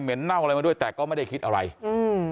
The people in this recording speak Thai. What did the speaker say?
เน่าอะไรมาด้วยแต่ก็ไม่ได้คิดอะไรอืม